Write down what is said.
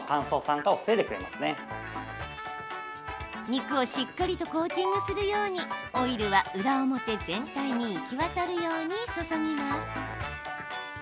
肉をしっかりとコーティングするようにオイルは裏表全体に行き渡るように注ぎます。